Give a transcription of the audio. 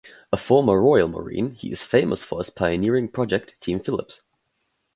A former Royal Marine, he is famous for his pioneering project Team Philips.